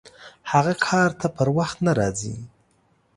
هغه کار ته پر وخت نه راځي!